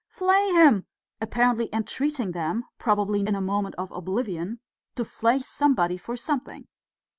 flay him!" apparently entreating them probably in a moment of oblivion to flay somebody for something.